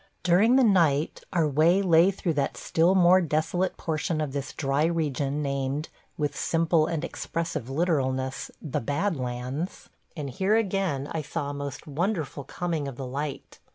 During the night our way lay through that still more desolate portion of this dry region named, with simple and expressive literalness, the Bad Lands; and here again I saw a most wonderful coming of the light.